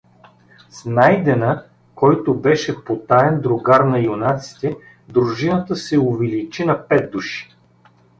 С Найдена, който беше потаен другар на юнаците, дружината се увеличи на пет души.